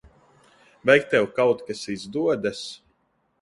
Vai tev kaut kas izdodas?